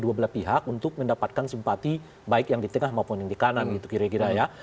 dua belah pihak untuk mendapatkan simpati baik yang di tengah maupun yang di kanan gitu kira kira ya